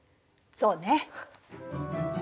そうね。